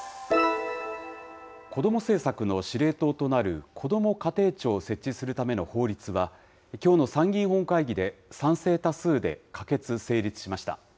子ども政策の司令塔となる、こども家庭庁を設置するための法律は、きょうの参議院本会議で賛成多数で可決・成立しました。